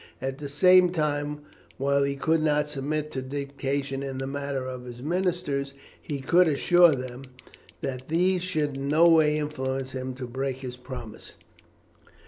At the same time, while he could not submit to dictation in the matter of his ministers, he could assure them that these should in no way influence him to break this promise.